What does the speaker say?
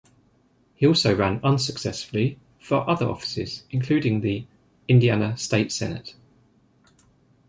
He also ran unsuccessfully for other offices, including the Indiana state Senate.